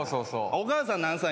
お母さん何歳なん？